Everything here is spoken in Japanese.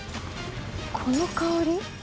この香り。